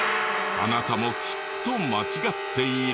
あなたもきっと間違っている。